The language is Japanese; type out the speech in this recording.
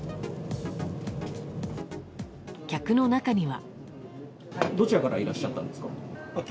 客の中には。